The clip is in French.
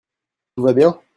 Tout va bien ?